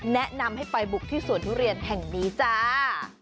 แนะนำให้ไปบุกที่สวนทุเรียนแห่งนี้จ้า